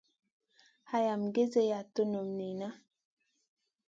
Hayam gezeya tunum niyna.